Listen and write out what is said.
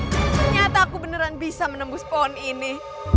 ternyata aku beneran bisa menembus pohon ini